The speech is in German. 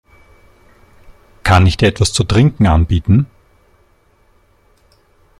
Kann ich dir etwas zu trinken anbieten?